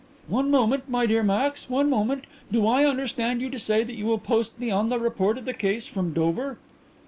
"One moment, my dear Max, one moment. Do I understand you to say that you will post me on the report of the case from Dover?"